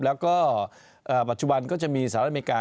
แล้วก็ปัจจุบันก็จะมีสหรัฐอเมริกา